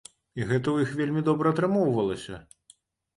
І гэта ў іх вельмі добра атрымоўвалася.